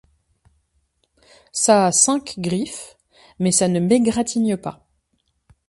Ça a cinq griffes ; mais ça ne m’égratigne pas.